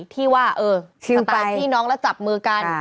ที่ว่าสตาที่น้องและจับมือกัน